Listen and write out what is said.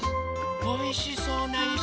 おいしそうないし。